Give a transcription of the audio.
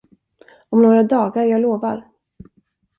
Om några dagar, jag lovar.